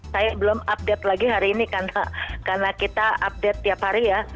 saya belum update lagi hari ini karena kita update tiap hari ya